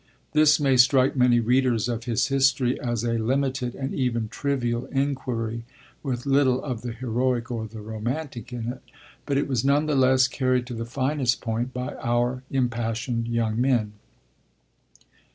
This may strike many readers of his history as a limited and even trivial inquiry, with little of the heroic or the romantic in it; but it was none the less carried to the finest point by our impassioned young men.